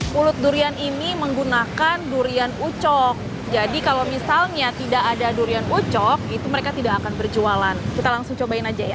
pulut durian ini menggunakan durian ucok jadi kalau misalnya tidak ada durian ucok itu mereka tidak akan berjualan kita langsung cobain aja ya